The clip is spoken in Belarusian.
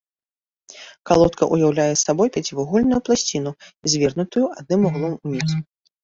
Калодка ўяўляе сабой пяцівугольную пласціну, звернутую адным вуглом уніз.